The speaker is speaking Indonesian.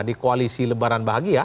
di koalisi lebaran bahagia